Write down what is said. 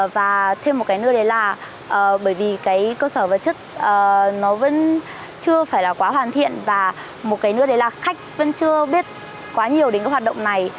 và thêm một cái nữa đấy là bởi vì cái cơ sở vật chất nó vẫn chưa phải là quá hoàn thiện và một cái nữa đấy là khách vẫn chưa biết quá nhiều đến các hoạt động này